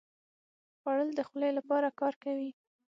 خوړل د خولې لپاره کار کوي